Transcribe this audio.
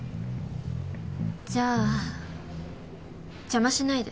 じゃあ邪魔しないで。